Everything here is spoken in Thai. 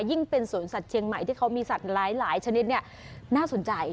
ยิ่งเป็นสวนสัตว์เชียงใหม่ที่เขามีสัตว์หลายชนิดเนี่ยน่าสนใจ